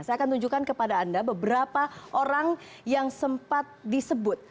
saya akan tunjukkan kepada anda beberapa orang yang sempat disebut